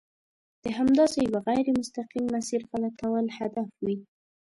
د همداسې یوه غیر مستقیم مسیر غلطول هدف وي.